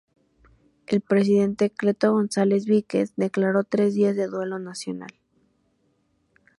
El Presidente Cleto González Víquez declaró tres días de duelo nacional.